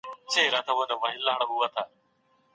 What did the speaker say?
په سياست کي ونډه اخېستل مهم مسؤليت دی.